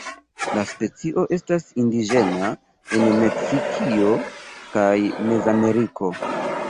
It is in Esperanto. La specio estas indiĝena en Meksikio kaj Mezameriko.